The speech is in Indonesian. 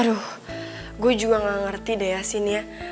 aduh gue juga gak ngerti deh ya sini ya